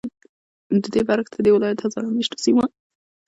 ددې برعکس، ددې ولایت هزاره میشتو سیمو